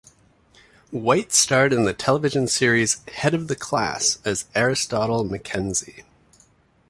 White starred in the television series "Head of the Class" as Aristotle McKenzie.